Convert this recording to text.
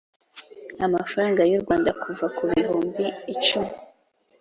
amafaranga yu Rwanda kuva ku bihumbi icumi